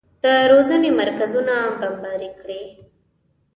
د روزنې مرکزونه بمباري کړي.